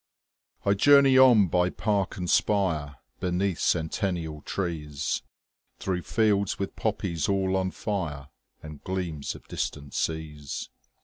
20 I journey on by park and spire, Beneath centennial trees, Through fields with poppies all on fire, And gleams of distant seas.